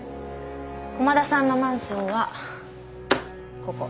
駒田さんのマンションはここ。